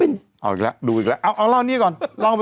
เอาอีกแล้วนี่ก่อน